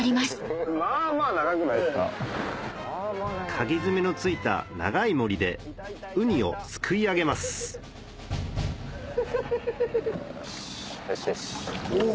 かぎ爪のついた長いモリでウニをすくい上げますよしよしよし。